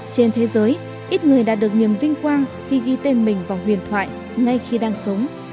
trên thế giới ít người đã được niềm vinh quang khi ghi tên mình vào huyền thoại ngay khi đang sống